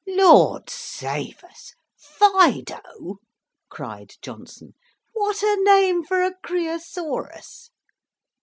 "Lord save us! Fido!" cried Johnson. "What a name for a Creosaurus!"